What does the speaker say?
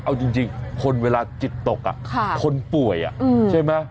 เอาจริงคนเวลาจิตตกคนป่วยใช่ไหม